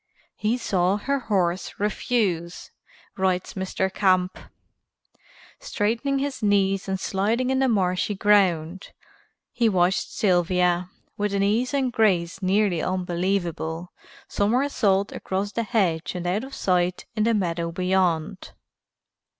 "He saw her horse refuse," writes Mr. Camp, "straightening his knees and sliding in the marshy ground. He watched Sylvia, with an ease and grace nearly unbelievable, somersault across the hedge and out of sight in the meadow beyond."